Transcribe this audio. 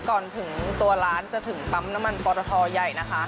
ก่อนถึงตัวร้านจะถึงปั๊มน้ำมันปอตทใหญ่นะคะ